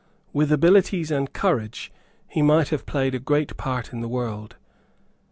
With abilities and courage he might have played a great part in the world.